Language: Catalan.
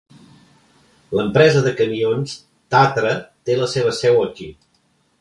L'empresa de camions Tatra té la seva seu aquí.